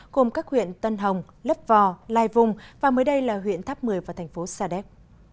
gồm các huyện tân hồng lấp vò lai vùng và mới đây là huyện tháp một mươi và thành phố sa đéc